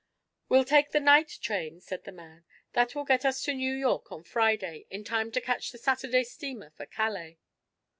"We'll take the night train," said the man. "That will get us to New York on Friday, in time to catch the Saturday steamer for Calais."